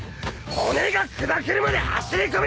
骨が砕けるまで走り込みだー！